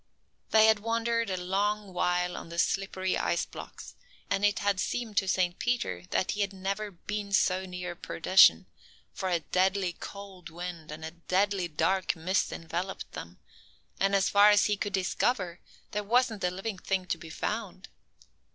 They had wandered a long while on the slippery ice blocks, and it had seemed to Saint Peter that he had never been so near perdition; for a deadly cold wind and a deadly dark mist enveloped them, and as far as he could discover, there wasn't a living thing to be found.